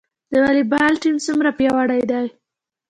د والیبال ټیم څومره پیاوړی دی؟